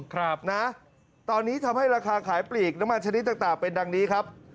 ครับนะตอนนี้ทำให้ราคาขายปลีกน้ำมันชนิดต่างต่างเป็นดังนี้ครับ